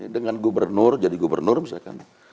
dengan gubernur jadi gubernur misalkan